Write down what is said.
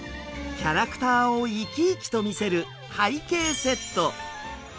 キャラクターを生き生きと見せる背景セット。